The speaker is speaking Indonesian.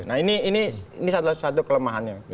nah ini satu kelemahannya